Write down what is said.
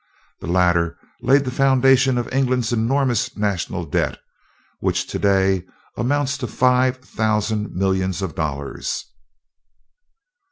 The latter laid the foundation of England's enormous national debt, which, to day, amounts to five thousand millions of dollars.